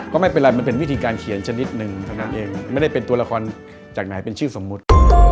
ก็ไม่เป็นไรมันเป็นวิธีการเขียนชนิดหนึ่งเท่านั้นเองไม่ได้เป็นตัวละครจากไหนเป็นชื่อสมมุติ